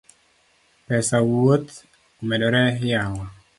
Pesa wuoth omedore yawa